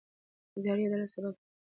اداري عدالت ثبات پیاوړی کوي